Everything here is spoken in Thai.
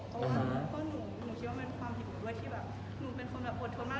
ก็หนูคิดว่ามันความผิดผมด้วยคิดว่าหนูเป็นคนแบบอดโทษมาก